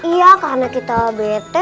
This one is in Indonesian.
iya karena kita bete